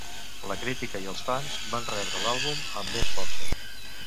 La crítica i els fans van rebre l'àlbum amb més força.